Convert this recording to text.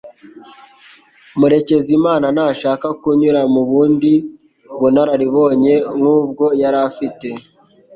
Murekezimana ntashaka kunyura mu bundi bunararibonye nkubwo yari afite.